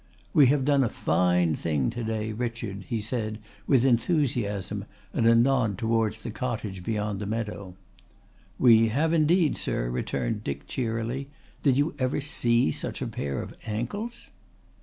"We have done a fine thing to day, Richard," he said with enthusiasm and a nod towards the cottage beyond the meadow. "We have indeed, sir," returned Dick cheerily. "Did you ever see such a pair of ankles?"